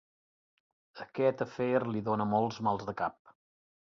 Aquest afer li dona molts maldecaps.